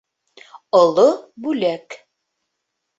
ОЛО БҮЛӘК